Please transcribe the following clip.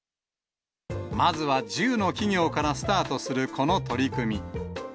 まずは１０の企業からスタートするこの取り組み。